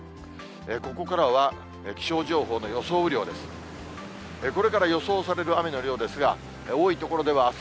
ここからは、気象情報の予想雨量です。